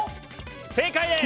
正解です！